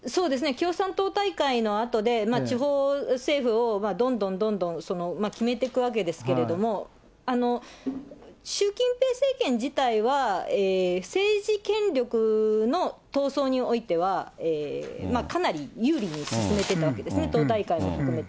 共産党大会のあとに、地方政府をどんどんどんどん決めてくわけですけれども、習近平政権自体は政治権力のとうそうにおいては、かなり有利に進めてたわけですね、党大会も含めて。